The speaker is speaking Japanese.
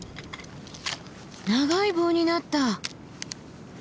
長い棒になった。